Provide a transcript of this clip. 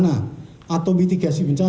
untuk kegiatan pengurangan resiko bencana